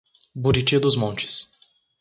Buriti dos Montes